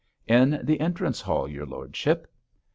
'In the entrance hall, your lordship!'